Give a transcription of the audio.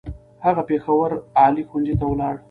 هغه پېښور عالي ښوونځی ته ولاړ.